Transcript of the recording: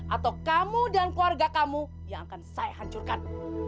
atau kamu dan keluarga kamu yang akan saya hancurkan